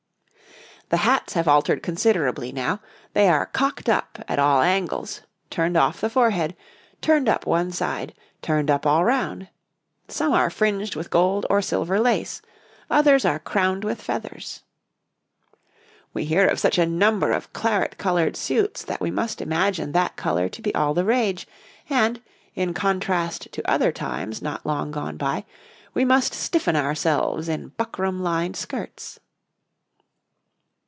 The hats have altered considerably now; they are cocked up at all angles, turned off the forehead, turned up one side, turned up all round; some are fringed with gold or silver lace, others are crowned with feathers. We hear of such a number of claret coloured suits that we must imagine that colour to be all the rage, and, in contrast to other times not long gone by, we must stiffen ourselves in buckram lined skirts.